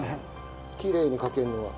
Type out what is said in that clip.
きれいにかけるのが。